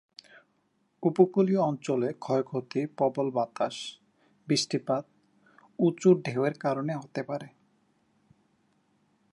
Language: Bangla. উপকূলীয় অঞ্চলে ক্ষয়ক্ষতি প্রবল বাতাস, বৃষ্টিপাত, উঁচু ঢেউয়ের কারণে হতে পারে।